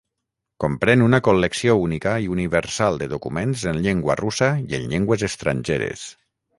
Comprèn una col·lecció única i universal de documents en llengua russa i en llengües estrangeres.